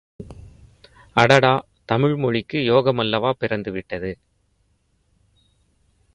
அடடா தமிழ்மொழிக்கு யோகமல்லவா பிறந்து விட்டது!